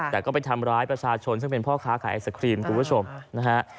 แต่ก็ไปทำร้ายประชาชนซึ่งเป็นพ่อค้าขายไอศครีมคุณผู้ชมนะฮะ